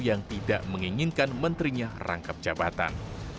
yang tidak menginginkan menterinya rangkap jabatan